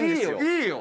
いいよ！